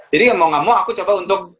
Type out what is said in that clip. jadi mau gak mau aku coba untuk